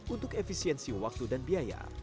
untuk efisiensi waktu dan biaya